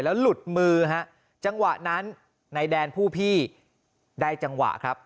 แล้วหลุดมือฮะจังหวะนั้นนายแดนผู้พี่ได้จังหวะครับ